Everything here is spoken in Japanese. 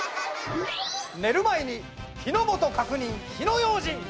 寝る前に火のもと確認火の用心！